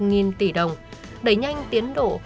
nghìn tỷ đồng đẩy nhanh tiến độ